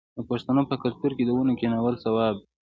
د پښتنو په کلتور کې د ونو کینول ثواب دی.